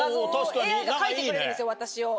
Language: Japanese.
ＡＩが描いてくれるんです私を。